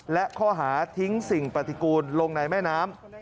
และข้อหาทิ้งสิ่งปฏิกูลลงในแม่น้ำ